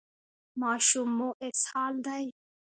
ماشوم مو اسهال دی؟